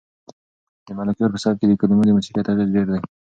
د ملکیار په سبک کې د کلمو د موسیقیت اغېز ډېر دی.